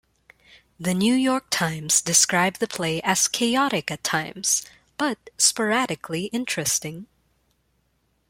The New York Times described the play as chaotic at times, but sporadically interesting.